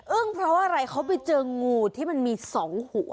อึ้งเพราะอะไรเขาไปเจองูที่มันมีสองหัว